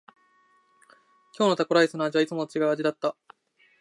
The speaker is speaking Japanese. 今日のタコライスの味はいつもと違う味だった。